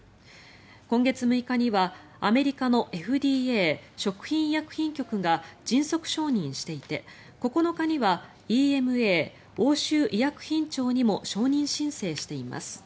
今月６日にはアメリカのＦＤＡ・食品医薬品局が迅速承認していて９日にはＥＭＡ・欧州医薬品庁にも承認申請しています。